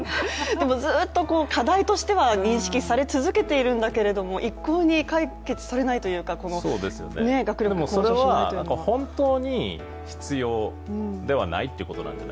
でも、ずっと課題としては認識され続けているんだけども、一向に解決されないというか学力が向上しないというのは。